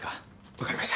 わかりました。